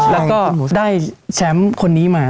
แล้วก็ได้แชมป์คนนี้มา